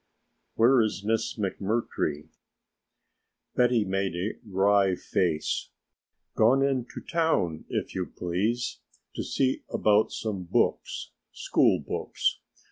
"Where is Miss McMurtry?" Betty made a wry face. "Gone into town, if you please, to see about some books school books.